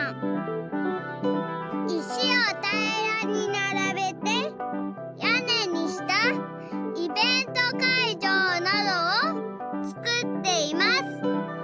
石をたいらにならべてやねにしたイベント会場などをつくっています。